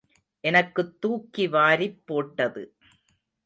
எனக்குத் தூக்கி வாரிப் போட்டது.